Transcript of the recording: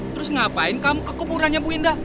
terus ngapain kamu ke kuburannya bu indah